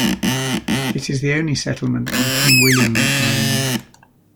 It is the only settlement on King William Island.